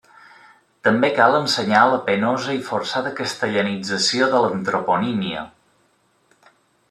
També cal assenyalar la penosa i forçada castellanització de l'antroponímia.